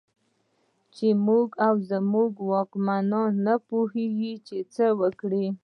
چې موږ او زموږ واکمنان نه پوهېږي چې څه وکړي.